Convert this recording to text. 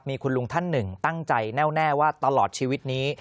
มีคุณลุงท่านหนึ่งตั้งใจแน่วแน่ว่าตลอดชีวิตนี้